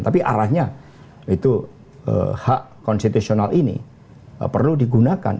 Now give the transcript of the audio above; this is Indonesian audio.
tapi arahnya itu hak konstitusional ini perlu digunakan